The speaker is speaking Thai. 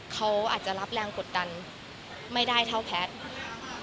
เขาอาจจะรับแรงกดดันไม่ได้เท่าแพทย์